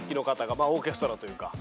まあオーケストラというか。